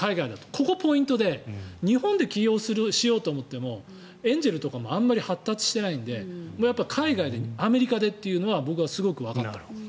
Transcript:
ここ、ポイントで日本で起業しようと思ってもエンジェルとかもあまり発達していないので海外でアメリカでというのは僕はすごく思いました。